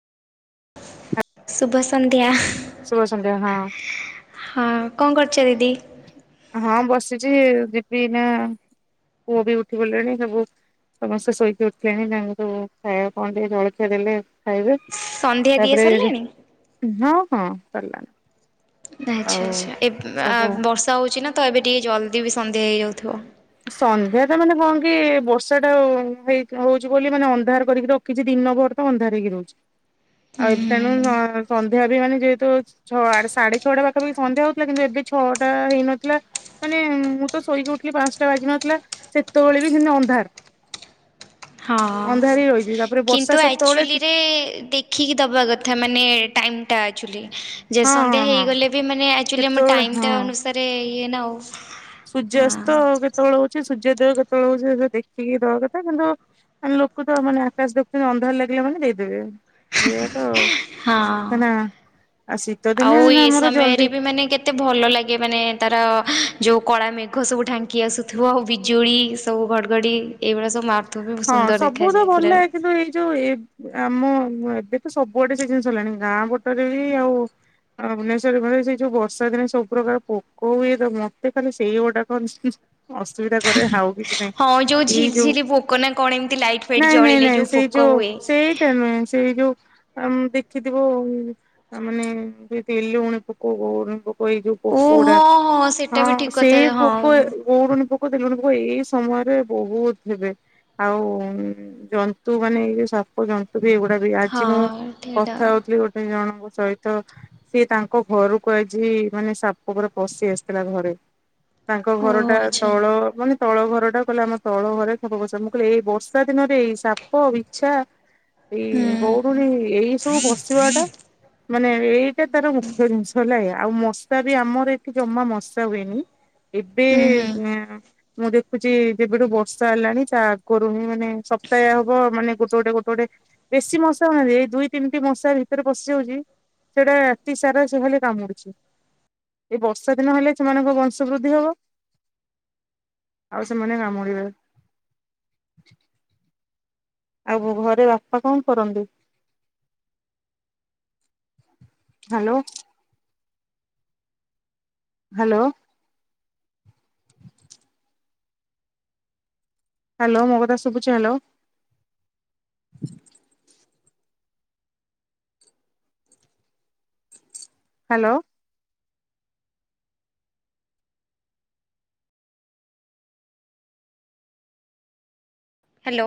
ଶୁଭସନ୍ଧ୍ୟା। ଶୁଭ ସନ୍ଧ୍ୟା ହଁ। ହଁ କଣ କରୁଛ ଦିଦି? ହଁ ବସିଛି ଯିବି ନା ପୁଅ ବି ଉଠି ଗିଲଣି ସବୁ ସମସ୍ତେ ଶୋଇକି ଉଠିଲଣି ତାଙ୍କୁୁ ଖାଇବା କଣ ଟିକେ ଜଳଖିଆ ଦେଲେ ଖାଇବେ। ସନ୍ଧ୍ୟା ଦିଆ ତାପରେ ସରିଲାଣି? ହଁ ହଁ [unintelligible] [unintelligible] ଆଉ ଆଚ୍ଛା ଆଚ୍ଛା ଏବେ ସବୁ ବର୍ଷା ହେଉଛି ନା ତ ଏବେ ଟିକେ ଜଲ୍ଦି ବି ସନ୍ଧ୍ୟା ହେଇଯାଉଥିବ। ସନ୍ଧ୍ୟା ତ ମାନେ କଣ କି ବର୍ଷା ଟା ହେଇ ହଉଛି ବୋଲି ମାନେ ଅନ୍ଧାର କରିକିରି ର କିଛି ଦିନ ପରେ ତ ଅନ୍ଧାର ହେଇକି ରହୁଛି। ହୁଁ ଆଉ ଏବେ ତେଣୁ ହୁଁ ସନ୍ଧ୍ୟା ବି ମାନେ ଯେହେତୁ ଛଅ ସାଢେ ଛଅଟା ପାଖାଖି ସନ୍ଧ୍ୟା ହଉଥିଲା କିନ୍ତୁ ଏବେ ଛଅଟା ହେଇନଥିଲା ମାନେ ମୁଁ ତ ଶୋଇକି ଉଠିଲି ପାଞ୍ଚଟା ବାଜି ନଥିଲା ସେତେବେଳେ ବି ସେନି ଅନ୍ଧାର। ହଁ ଅନ୍ଧାରି ରହିଛି ତାପରେ ବର୍ଷା କିନ୍ତୁ ସେତେବେଳେ ଟି ଆକ୍ଚୁଲିରେ ଦେଖ ଦେଖିକି ଦବା କଥା ମାନେ ଟାଇମ ଟା ଆକଚୁଲି ଯେ ହଁ ହଁ ସନ୍ଧ୍ୟା ହଁ ହେଇଗଲେ ବି ମାନେ ଆକ୍ଚୁଆଲି ଆମ କେତେବେଳେ ଟାଇମ୍ଟା ହଁ। ଅନୁସାରେ ଇଏ ନା ଆଉ ସୂର୍ଯ୍ୟାସ୍ତ ହଁ କେତେବେଳେ ହଉଛି ସୂର୍ଯ୍ୟଦୟ କେତେବେଳେ ହଉଛି ସେ ଦେଖିକି ଦବା କଥା କିନ୍ତୁ ମାନେ ଲୋକ ତ ମାନେ ଆକାଶ ଦେଖୁଛନ୍ତି ଅନ୍ଧାର ଲାଗିଲା ମାନେ ଦେଇଦେବେ [unintelligible] ତ ଆଉ ହଁ। [unintelligible] ଆଉ ଶୀତ ଦିନେ ଆମର ଜଲଦି ଏତେ ଭଲ ଲାଗେ ମାନେ ତାର ଯେଉଁ କଳା ମେଘ ସବୁ ଢାଙ୍କି ଆସୁଥିବ ଆଉ ବିଜୁଳି ସବୁ ଗଡ଼ଘଡ଼ି ଏବେ ସବ ମାର ହଁ ସବୁ ତ ଭଲ୍ ଏ କିନ୍ତୁ ଏଇ। ଯୋଉ ଏ ଆମ ଏବେ ତ ସବୁଆଡେ ସେ ଜିନିଷ ହେଲାଣି ଗାଁ ପଟରେ ବି ଆଉ। ଅ ଭୁବନେଶ୍ୱର ମ ସେଇ ଯୋଉ ବର୍ଷା ଦିନେ ସବୁ ପ୍ର୍ରକାର ପୋକ ହୁଏ ତ ମତେ ଖାଲି ସେଇ ଗୋଟାକ। ଅସୁବିଧା କରେ ହାଉ କିଛି ନାଇଁ ଏଇ ଯୋଉ। ଲୋକ ନା କଣ ଏମିତି ଲାଇଟି। ନାଇଁ- ନାଇଁ -ନାଇଁ ସେଇ ଯୋଉ ସେଇଟା ନୁହେଁ ସେଇ ଯୋଉ। ଆମ୍ ଦେଖିଥିବ ମାନେ ତେଲୁଗୁଣି ପୋକ, ଗୋଉଡୁନି ପୋକ। ଓ ଏଇ ଯୋଉ ପୋକ ଗୁଡା ହଁ ସେଟା ହଁ ବି ଠିକ ସେଇ କଥା ପୋକ। ହଁ। ଗୋଉଡୁନି ପୋକ, ତେଲୁଣି ପୋକ ଏଇ ସମୟରେ ବହୁତୁ ହେବେ। ଆଉ ଜନ୍ତୁ ମାନେ ଏଇ ସା ଜନ୍ତୁ ବି ଏଇଗୁଡା ବି ଆଜି ମୁଁ ହଁ ଠିଟା କଥା ହଉଥିଲି ଗୋଟେ ଜଣଙ୍କ ସହିତ। ସିଏ ତାଙ୍କ ଘରକୁ ଆଜି ମାନେ ସାପ ଉପରେ ପଶି ଆସିଥିଲା ଘରେ। ତାଙ୍କ ଘର ଓହୋ ଟା ଆଚ୍ଛା ତଳ ମାନେ ତଳ ଘର ଟା କହିଲେ ଆମ ତଳ ଘରେ। [inaudible] ମୁଁ କହିଲି ଏଇ ବର୍ଷା ଦିନରେ ଏଇ ସାପ, ବିଛା ହୁଁ ଏଇ ଗଉଡୁଣି। ଏଇ ସବୁ ବସିବା ଟା। ମାନେ ଏଇଟା ତାର ମୁଖ୍ୟ ଜିନିଷ ହେଲା ଏୟା ଆଉ ମଶା ବି ଆମର ଏଠି ଜମା ମଶା ହୁଏନି। ଏବେ ହୁଁ ହୁଁ ମୁଁ ଦେଖୁଛି ଯେବେଠୁ ବର୍ଷା। ଫାରଚା ହେଲାନି ତା ଆଗୁରୁ ହିଁ ମାନେ ସପ୍ତାହେ ହବ ମାନେ ଗୋଟେ- ଗୋଟେ -ଗୋଟେ। ବେଶୀ ମଶା ହଉନାହାନ୍ତି ଏଇ ଦୁଇ, ତିନିଟି ମଶା ଭିତରେ ପଶିଯାଉଛି। ସେଇଟା ରାତି ସାରା ସେ ଖାଲି କାମୁଡୁଛି। ଏଇ ବର୍ଷା ଦିନ ହେଲେ ସେମାନଙ୍କ ବଂଶ ବୃଦ୍ଧି ହବ। ଆଉ ସେମାନେ କାମୁଡିବେ। ଆଉ ଘରେ ବାପା କଣ କରନ୍ତି। ହାଲୋ। ହାଲୋ। ହାଲୋ ମୋ କଥା ଶୁଭୁଛି ହାଲୋ। ହାଲୋ। ହ୍ୟାଲୋ।